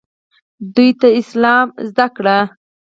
دوی ته اسلام زده کړئ